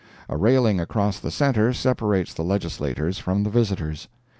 A railing across the center separates the legislators from the visitors.